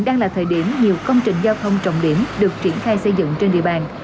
đang là thời điểm nhiều công trình giao thông trọng điểm được triển khai xây dựng trên địa bàn